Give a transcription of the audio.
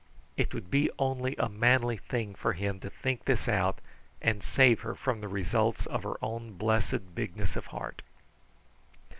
It would be only a manly thing for him to think this out, and save her from the results of her own blessed bigness of heart.